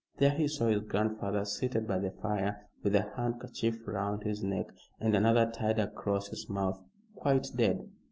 There he saw his grandfather seated by the fire with a handkerchief round his neck, and another tied across his mouth quite dead.